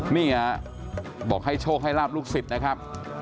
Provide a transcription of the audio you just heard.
นี่ฮะบอกให้โชคให้ลาบลูกศิษย์นะครับ